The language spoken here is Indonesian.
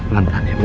lantang ya bu